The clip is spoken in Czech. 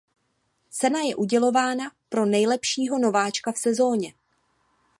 Cena je udělována pro nejlepšího nováčka v sezóně.